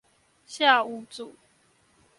下五組